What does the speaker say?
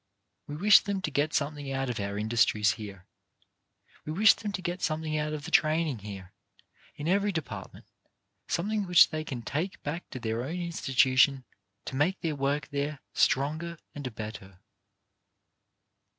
We wish them to get something out of our industries here ; we wish them to get something out of the training here, in every department, something which they can take back to their own institution to make their work there stronger and better.